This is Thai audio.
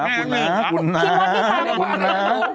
คุณน้าคุณน้าคุณน้า